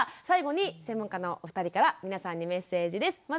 最後に専門家のお二人から皆さんにメッセージです。